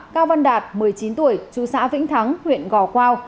cao văn đạt một mươi chín tuổi chú xã vĩnh thắng huyện gò quao